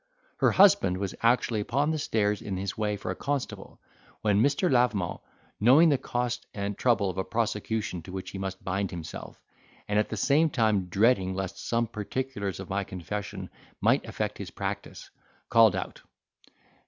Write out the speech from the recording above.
Her husband was actually upon the stairs in his way for a constable, when Mr. Lavement knowing the cost and trouble of a prosecution to which he must bind himself, and at the same time dreading lest some particulars of my confession might affect his practice, called out.